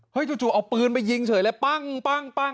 เฮ้ยจู่เอาปืนไปยิงเฉยเลยปั้งปั้งปั้ง